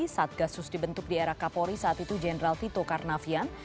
satgasus dibentuk di era kapolri saat itu jenderal tito karnavian